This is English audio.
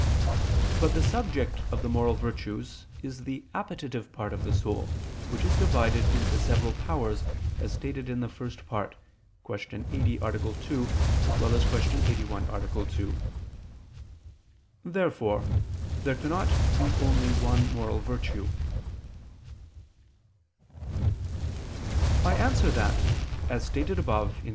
But the subject of the moral virtues is the appetitive part of the soul, which is divided into several powers, as stated in the First Part (Q. 80, A. 2; Q. 81, A. 2). Therefore there cannot be only one moral virtue. I answer that, As stated above (Q.